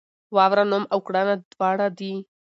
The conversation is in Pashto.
واوره نوم او کړنه دواړه دي.